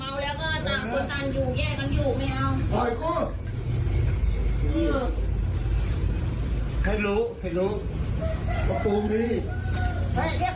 เฮ้ยเรียกตัวแบบดีกว่าก่อนตัวแบบ